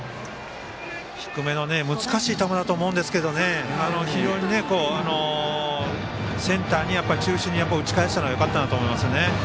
低めの難しい球だと思うんですけど非常にセンター中心に打ち返したのがよかったんだと思います。